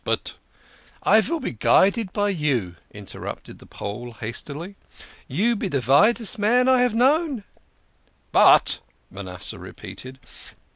But " "I vill be guided by you," interrupted the Pole hastily. "You be de visest man I have ever known." "But " Manasseh repeated.